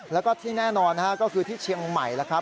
แล้วก็ที่แน่นอนก็คือที่เชียงใหม่แล้วครับ